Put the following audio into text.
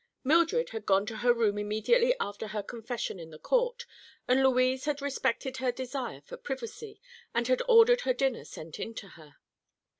Mildred had gone to her room immediately after her confession in the court and Louise had respected her desire for privacy and had ordered her dinner sent in to her.